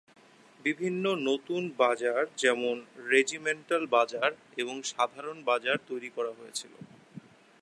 বিভিন্ন নতুন বাজার যেমন রেজিমেন্টাল বাজার এবং সাধারণ বাজার তৈরি করা হয়েছিল।